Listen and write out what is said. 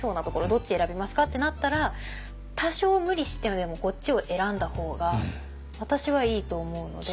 「どっち選びますか？」ってなったら多少無理してでもこっちを選んだ方が私はいいと思うので。